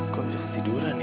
kok udah kesiduran ya